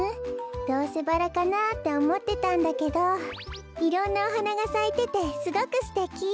どうせバラかなっておもってたんだけどいろんなおはながさいててすごくすてき！